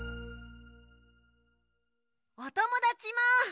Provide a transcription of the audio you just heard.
おともだちも。